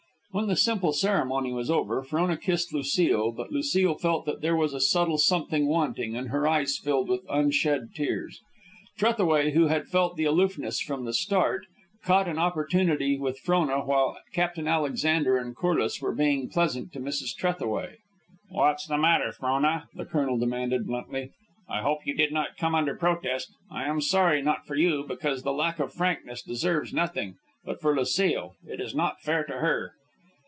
When the simple ceremony was over, Frona kissed Lucile; but Lucile felt that there was a subtle something wanting, and her eyes filled with unshed tears. Trethaway, who had felt the aloofness from the start, caught an opportunity with Frona while Captain Alexander and Corliss were being pleasant to Mrs. Trethaway. "What's the matter, Frona?" the colonel demanded, bluntly. "I hope you did not come under protest. I am sorry, not for you, because lack of frankness deserves nothing, but for Lucile. It is not fair to her."